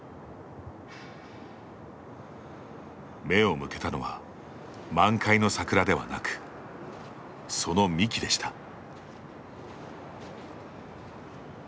目を向けたのは満開の桜ではなくその幹でした。